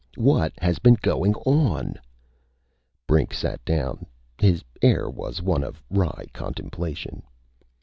What has been goin' on?" Brink sat down. His air was one of wry contemplation.